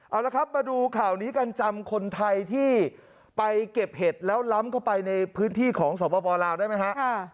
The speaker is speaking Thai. เอาละครับมาดูข่าวนี้กันจำคนไทยที่ไปเก็บเห็ดแล้วล้ำเข้าไปในพื้นที่ของสปลาวได้ไหมฮะ